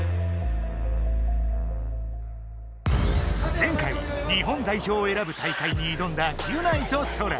前回日本代表をえらぶ大会にいどんだギュナイとソラ。